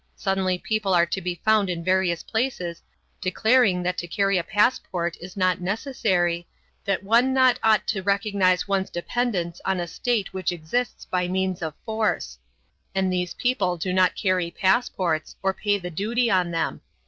Suddenly people are to be found in various places declaring that to carry a passport is not necessary, that one ought not to recognize one's dependence on a state which exists by means of force; and these people do not carry passports, or pay the duty on them.